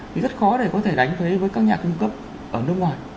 thì rất khó để có thể đánh thuế với các nhà cung cấp ở nước ngoài